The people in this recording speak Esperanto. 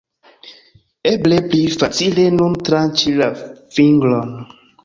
Eble, pli facile nun tranĉi la fingron